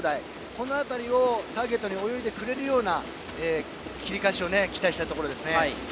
この辺りをターゲットに泳いでくれるような切り返しを期待したいところです。